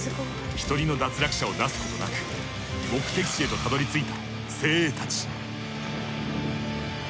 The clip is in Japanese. １人の脱落者を出すことなく目的地へとたどり着いた精鋭たち。